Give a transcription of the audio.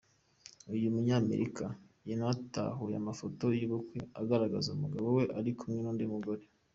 Uyu munyamerikakazi yanatahuye amafoto y’ubukwe agaragaza umugabo we ri kumwe n’undi mugore.